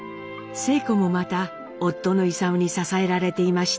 晴子もまた夫の勲に支えられていました。